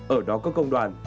ở đó có công đoàn